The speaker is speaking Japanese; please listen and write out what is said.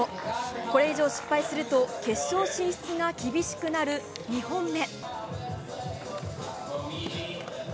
これ以上失敗すると決勝進出が厳しくなる２本目。